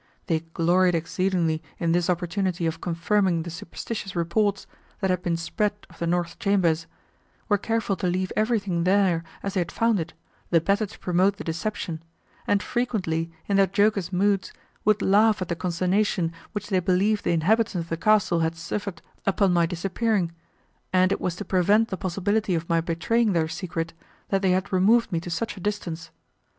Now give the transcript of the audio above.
They gloried exceedingly in this opportunity of confirming the superstitious reports, that had been spread of the north chambers, were careful to leave everything there as they had found it, the better to promote the deception, and frequently, in their jocose moods, would laugh at the consternation, which they believed the inhabitants of the castle had suffered upon my disappearing, and it was to prevent the possibility of my betraying their secret, that they had removed me to such a distance.